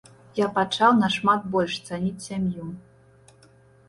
Я пачаў нашмат больш цаніць сям'ю.